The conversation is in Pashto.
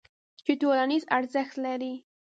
چې ټولنیز ارزښت لري.